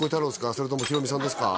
それともひろみさんですか？